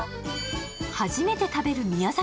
初めて食べる宮崎